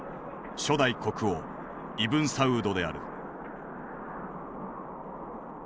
初代国王イブン・サウードである。